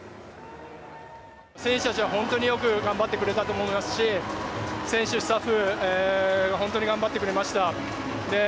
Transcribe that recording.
選手たちは本当によく頑張ってくれたと思いますし、選手、スタッフ、本当に頑張ってくれました。